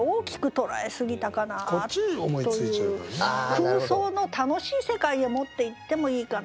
空想の楽しい世界へ持っていってもいいかな。